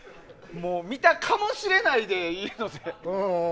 見たかもしれないでいいので。